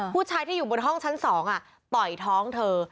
ผู้ชายที่อยู่บนห้องชั้น๒ต่อยท้องเธอ